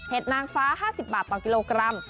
นางฟ้า๕๐บาทต่อกิโลกรัม